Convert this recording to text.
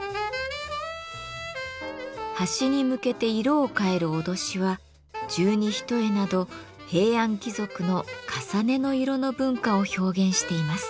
端に向けて色を変える威しは十二単など平安貴族のかさねの色の文化を表現しています。